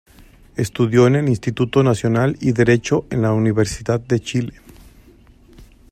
Estudió en el Instituto Nacional y derecho en la Universidad de Chile.